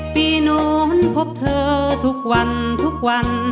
ปีโน้นพบเธอทุกวันทุกวัน